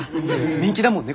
人気だもんね